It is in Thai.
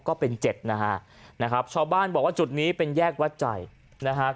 ก็เป็นเจ็ดนะฮะนะครับชาวบ้านบอกว่าจุดนี้เป็นแยกวัดใจนะฮะ